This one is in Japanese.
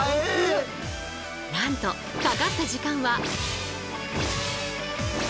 なんとかかった時間は。